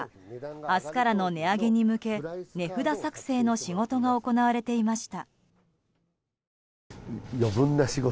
明日からの値上げに向け値札作成の仕事が行われていました。